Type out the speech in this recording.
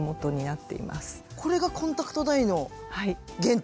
これがコンタクトダイの原点？